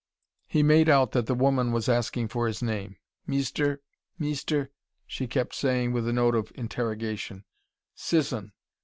He made out that the woman was asking him for his name "Meester ? Meester ?" she kept saying, with a note of interrogation. "Sisson. Mr.